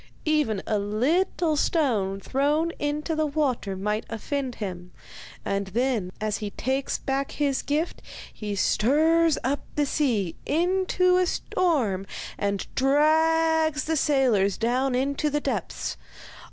Even a little stone thrown into the water might offend him, and then as he takes back his gift, he stirs up the sea into a storm and drags the sailors down into the depths.